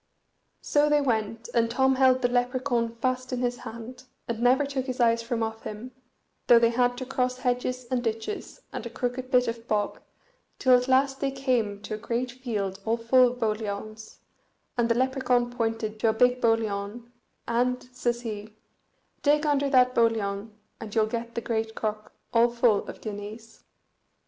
So they went, and Tom held the Lepracaun fast in his hand, and never took his eyes from off him, though they had to cross hedges and ditches, and a crooked bit of bog, till at last they came to a great field all full of boliauns, and the Lepracaun pointed to a big boliaun, and says he, "Dig under that boliaun, and you'll get the great crock all full of guineas."